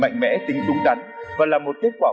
mạnh mẽ tính đúng đắn và là một kết quả